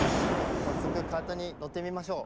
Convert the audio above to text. さっそくカートにのってみましょう。